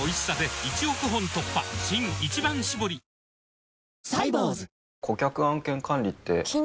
新「一番搾り」うわ！